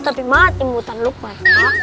tapi maat imutan lu kak